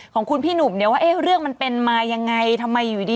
ของคุณพี่หนุ่มเนี่ยว่าเรื่องมันเป็นมายังไงทำไมอยู่ดี